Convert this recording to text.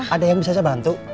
ada nyasab puck